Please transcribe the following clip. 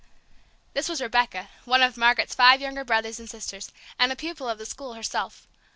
This was Rebecca, one of Margaret's five younger brothers and sisters, and a pupil of the school herself.